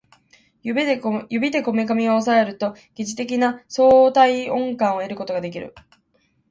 指でこめかみを抑えると疑似的な相対音感を得ることができる